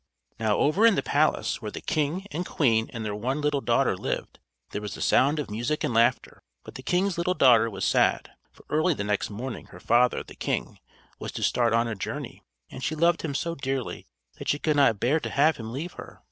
Now over in the palace, where the king, and queen, and their one little daughter lived, there was the sound of music and laughter; but the king's little daughter was sad, for early the next morning her father, the king, was to start on a journey, and she loved him so dearly that she could not bear to have him leave her.